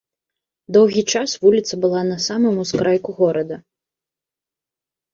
Доўгі час вуліца была на самым ускрайку горада.